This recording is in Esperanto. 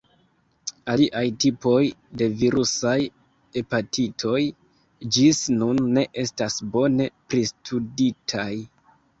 Aliaj tipoj de virusaj hepatitoj ĝis nun ne estas bone pristuditaj.